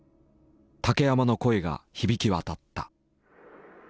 竹山の声が響き渡った。